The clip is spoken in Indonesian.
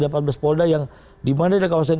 ada empat belas polda yang dimana ada kawasan